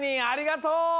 ありがとう！